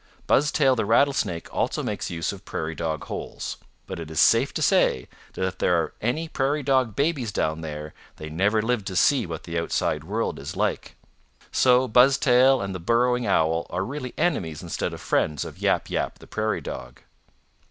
Buzztail the Rattlesnake also makes use of Prairie Dog holes, but it is safe to say that if there are any Prairie Dog babies down there they never live to see what the outside world is like. So Buzztail and the Burrowing Owl are really enemies instead of friends of Yap Yap, the Prairie Dog."